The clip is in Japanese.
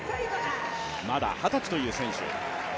まだ二十歳という選手。